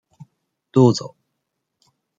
どうぞ。